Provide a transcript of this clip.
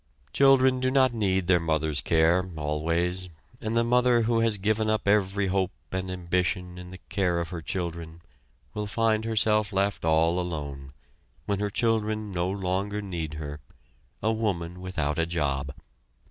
Children do not need their mother's care always, and the mother who has given up every hope and ambition in the care of her children will find herself left all alone, when her children no longer need her a woman without a job.